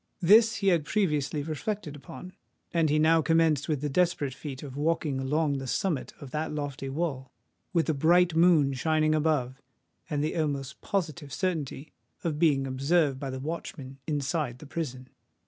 This he had previously reflected upon; and he now commenced the desperate feat of walking along the summit of that lofty wall—with a bright moon shining above, and the almost positive certainty of being observed by the watchmen inside the prison.